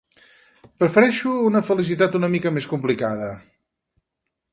Prefereixo una felicitat una mica més complicada.